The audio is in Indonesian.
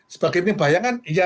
sebagai ini bayangan